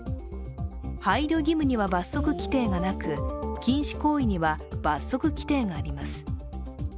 配慮義務には罰則規定がなく、禁止行為には罰則規定があります。